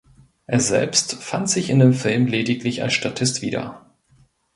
Er selbst fand sich in dem Film lediglich als Statist wieder.